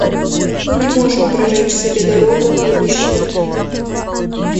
Мы не можем прожечь себе дорогу в будущее.